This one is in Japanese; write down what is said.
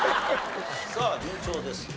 さあ順調ですよ。